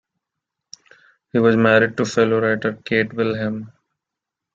He was married to fellow writer Kate Wilhelm.